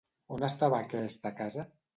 On estava aquesta casa?